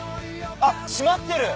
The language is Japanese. あっ閉まってる！